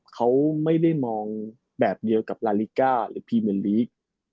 เขาไม่ได้มองแบบเดียวกับลาลิก้าหรือพรีเมอร์ลีก